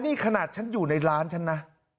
นี่ขนาดฉันอยู่ในร้านฉันนะ